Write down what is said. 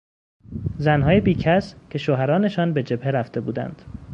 زنهای بیکس که شوهرانشان به جهبه رفته بودند